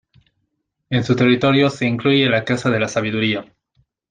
En su territorio se incluye la Casa de la sabiduría.